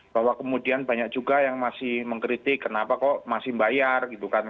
bahwa kemudian banyak juga yang masih mengkritik kenapa kok masih bayar gitu kan